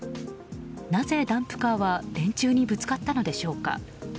なぜダンプカーは電柱にぶつかったのでしょうか。